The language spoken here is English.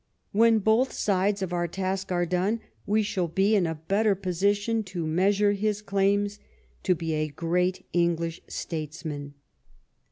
When both sides of our task are done we shall be in a better position to measure his claims to be a great English statesman.